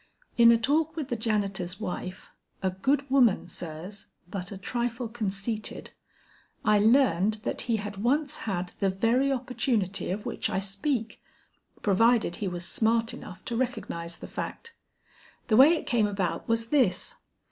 In a talk with the janitor's wife a good woman, sirs, but a trifle conceited I learned that he had once had the very opportunity of which I speak, provided he was smart enough to recognize the fact. The way it came about was this.